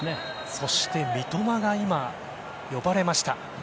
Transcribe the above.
そして三笘が呼ばれました。